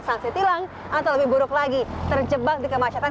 sanksi tilang atau lebih buruk lagi terjebak di kemacetan